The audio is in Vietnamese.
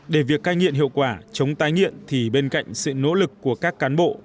để việc cai nghiện hiệu quả chống tái nghiện thì bên cạnh sự nỗ lực của các cán bộ